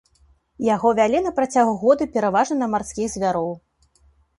Яго вялі на працягу года пераважна на марскіх звяроў.